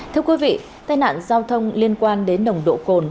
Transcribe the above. thưa quý vị tai nạn giao thông liên quan đến nồng độ cồn